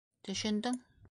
Төшөндөң?!